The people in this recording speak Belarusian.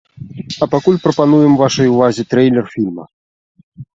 А пакуль прапануем вашай увазе трэйлер фільма.